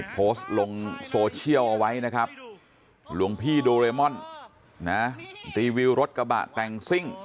โพสต์ลงโซเชียลเอาไว้นะครับหลวงพี่โดเรมอนนะรีวิวรถกระบะแต่งซิ่ง